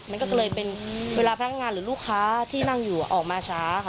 มันก็เลยเป็นเวลาพนักงานหรือลูกค้าที่นั่งอยู่ออกมาช้าค่ะ